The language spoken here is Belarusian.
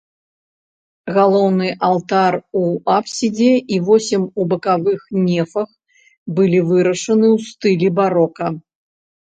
Галоўны алтар у апсідзе і восем у бакавых нефах былі вырашаны ў стылі барока.